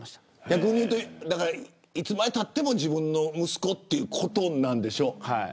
逆に言うといつまでたっても自分の息子ということなんでしょう。